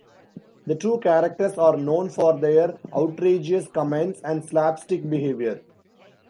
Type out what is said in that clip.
The two characters are known for their outrageous comments and slapstick behavior.